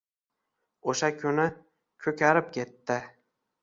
O‘sha kuni... Ko‘karib ketdi...